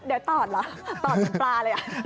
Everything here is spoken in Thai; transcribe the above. เดี๋ยวตอดเหรอตอดเหมือนปลาเลย